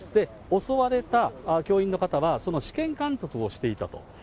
襲われた教員の方は、その試験監督をしていたと。